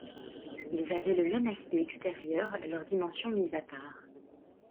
Ils avaient le même aspect extérieur, leurs dimensions mises à part.